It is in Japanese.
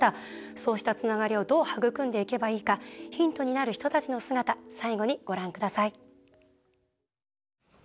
そうしたつながりをどう育んでいけばいいかヒントになる人たちの姿最後にご覧ください。